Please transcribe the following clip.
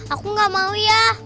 aku gak mau ya